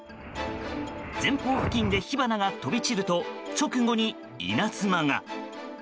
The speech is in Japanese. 前方付近で火花が飛び散ると直後に稲妻が。